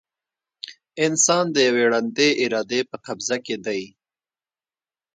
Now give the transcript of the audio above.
انسان د یوې ړندې ارادې په قبضه کې دی.